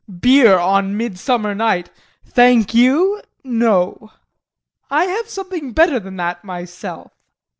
] JEAN. Beer on midsummer night thank you, no! I have something better than that myself.